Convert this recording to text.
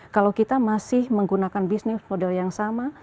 kalau kita masih menggunakan bisnis model yang sama